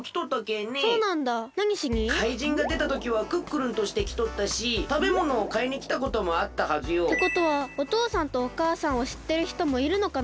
かいじんがでたときはクックルンとしてきとったしたべものをかいにきたこともあったはずよ。ってことはおとうさんとおかあさんをしってるひともいるのかな？